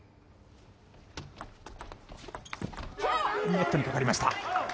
ネットにかかりました。